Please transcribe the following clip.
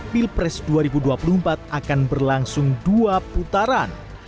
pilpres dua ribu dua puluh empat akan berlangsung dua putaran